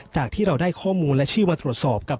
จากที่เราได้ข้อมูลและชื่อมาตรวจสอบกับ